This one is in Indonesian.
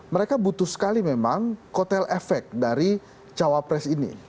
mereka butuh sekali memang kotel efek dari cawapres ini